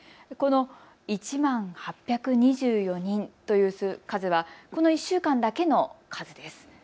この１万８２４人という数はこの１週間だけの数です。